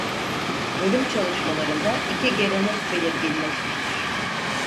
Bölüm çalışmalarında iki gelenek belirginleşmiştir.